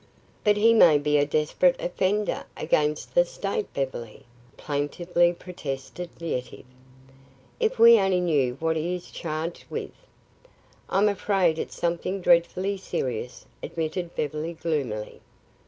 "But he may be a desperate offender against the state, Beverly." plaintively protested Yetive. "If we only knew what he is charged with!" "I'm afraid it's something dreadfully serious," admitted Beverly gloomily.